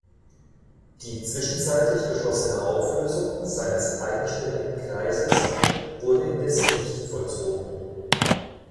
Die zwischenzeitlich beschlossene Auflösung seines eigenständigen Kreises wurde indes nicht vollzogen.